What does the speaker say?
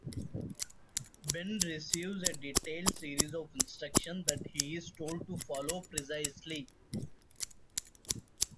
Ben receives a detailed series of instructions that he is told to follow precisely.